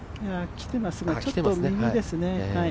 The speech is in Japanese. きていますが、ちょっと右ですね。